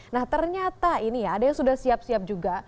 nah ternyata ini ya ada yang sudah siap siap juga